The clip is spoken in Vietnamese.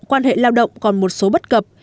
quan hệ lao động còn một số bất cập